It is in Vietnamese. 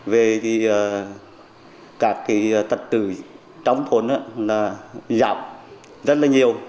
về các tật tử trong thôn là giảm rất là nhiều